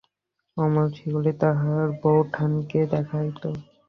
অমল সেগুলি তাহার বউঠানকে দেখাইত।